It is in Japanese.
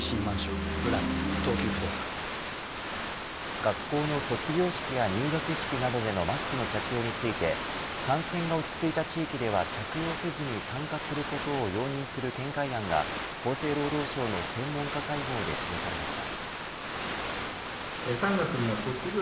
学校の卒業式や入学式などでのマスクの着用について感染が落ち着いた地域では着用せずに参加することを容認する見解案が厚生労働省の専門家会合で示されました。